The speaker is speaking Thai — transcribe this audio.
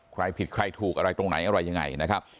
ใครผิดใครถูกอะไรตรงไหนอะไรยังไงนะครับ